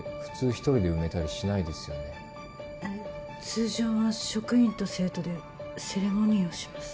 通常は職員と生徒でセレモニーをします。